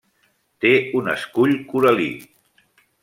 Té un escull coral·lí.